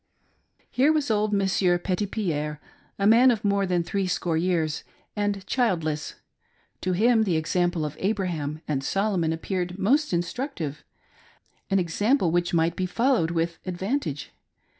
Here was old Monsieur Petitpierre, a man of more than three score years, and childless. To him the example of Abraham and Solomon appeared most instructive — an ex ample which might be followed with advantage.